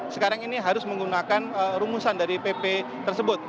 sekarang ini harus menggunakan rumusan dari pp tersebut